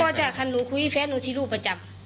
พ่อจากครั้งหนูคุยกับแฟนหนูที่ดูประจำ